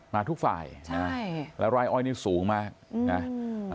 มาทุกฝ่ายนะใช่แล้วไร่อ้อยนี่สูงมากนะ